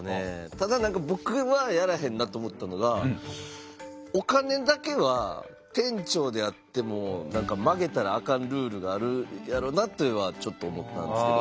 ただ僕はやらへんなと思ったのがお金だけは店長であっても曲げたらあかんルールがあるやろなというのはちょっと思ったんですけど。